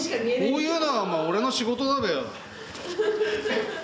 こういうのは俺の仕事だべ。